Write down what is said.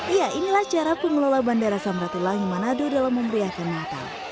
iya inilah cara pengelola bandara samratulangi manado dalam memberiakan natal